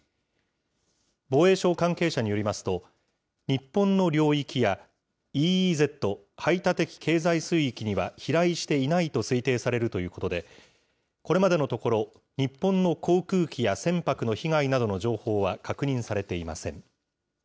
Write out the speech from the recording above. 防衛省関係者によりますと、日本の領域や、ＥＥＺ・排他的経済水域には飛来していないと推定されるということで、これまでのところ、日本の航空機や船舶の被害などの情報は確認されていません。